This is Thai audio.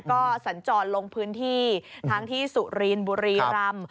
ก็สัญจรลงพื้นที่ทั้งที่สุรินบุรีรำ